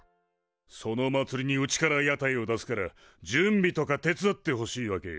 そのまつりにうちから屋台を出すから準備とか手伝ってほしいわけよ。